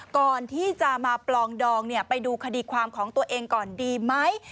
ก่อนที่จะมาปลองดองไปดูคดีความของตัวเองก่อนดีไหม